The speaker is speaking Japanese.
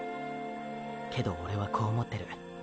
けどオレはこう思ってる。